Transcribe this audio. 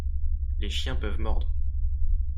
Les chiens peuvent mordre.